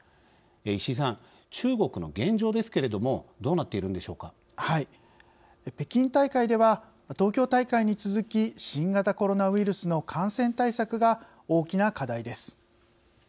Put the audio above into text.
石井さん、中国の現状ですけれども北京大会では東京大会に続き新型コロナウイルスの感染対策が大きな課題です。